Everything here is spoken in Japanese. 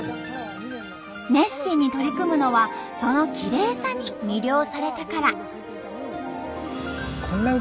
熱心に取り組むのはそのきれいさに魅了されたから。